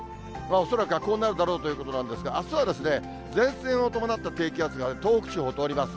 恐らくはこうなるだろうということなんですが、あすは前線を伴った低気圧が東北地方を通ります。